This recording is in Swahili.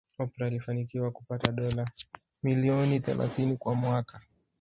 Oprah alifanikiwa kupata dola milioni thelathini kwa mwaka